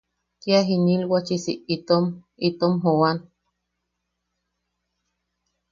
Kia jinilwachisi itom... itom joan.